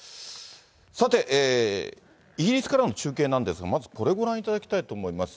さて、イギリスからの中継なんですが、まずこれ、ご覧いただきたいと思います。